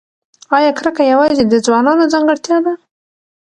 ایا کرکه یوازې د ځوانانو ځانګړتیا ده؟